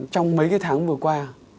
trong mấy cái tháng vừa qua